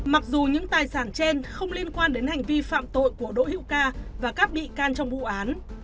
mặc dù những tài sản trên không liên quan đến hành vi phạm tội của đỗ hữu ca và các bị can trong vụ án